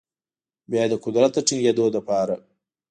بیا یې د قدرت د ټینګیدو لپاره